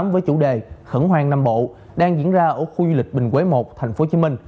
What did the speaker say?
với chủ đề khẩn hoang nam bộ đang diễn ra ở khu du lịch bình quế i tp hcm